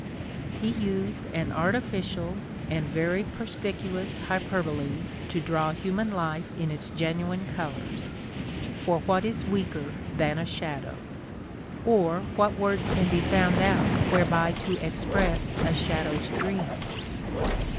t He used an artificial and very perspicuous hyperbole to draw human life in its genuine colors ; for Λvhat is weaker than a shadow ? Or what words can be found out whereby to express a shadow's dream